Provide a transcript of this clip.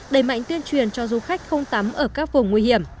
đẩy mạnh tuyên truyền cho du khách không tắm ở các vùng nguy hiểm